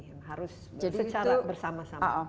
yang harus secara bersama sama